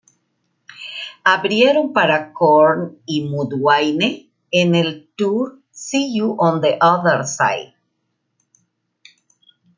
Abrieron para Korn y Mudvayne en el tour "See You on the Other Side.